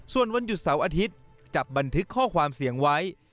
ส่วนวันหยุดเสาร์อาทิตย์จับบันทึกข้อความเสียงไว้